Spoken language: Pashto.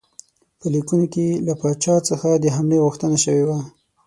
په لیکونو کې له پاچا څخه د حملې غوښتنه شوې وه.